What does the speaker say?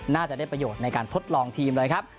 น่าจะได้ประโยชน์ในการทดลองทีมเลยครับ